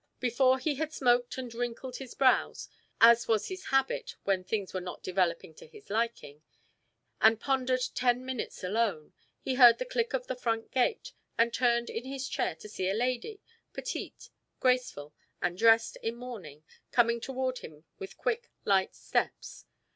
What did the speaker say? Before he had smoked and wrinkled his brows, as was his habit when things were not developing to his liking, and pondered ten minutes alone, he heard the click of the front gate, and turned in his chair to see a lady, petite, graceful, and dressed in mourning, coming toward him with quick, light steps.